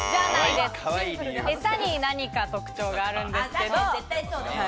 エサに何か特徴があるんですけれども。